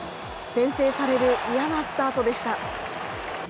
先制される嫌なスタートでした。